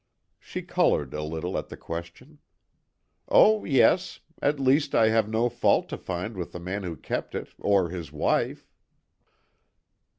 She coloured a little at the question. "Oh, yes; at least, I have no fault to find with the man who kept it, or his wife."